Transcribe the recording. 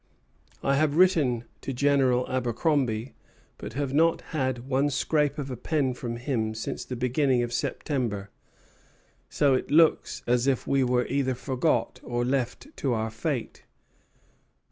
I have written to General Abercromby, but have not had one scrape of a pen from him since the beginning of September; so it looks as if we were either forgot or left to our fate."